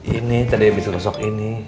ini tadi habis merosok ini